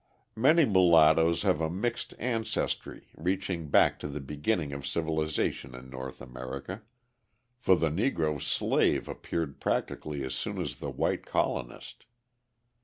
Many mulattoes have a mixed ancestry reaching back to the beginning of civilisation in North America; for the Negro slave appeared practically as soon as the white colonist.